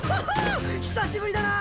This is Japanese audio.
久しぶりだな！